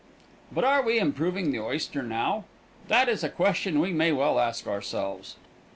But are we improving the oyster now? That is a question we may well ask ourselves.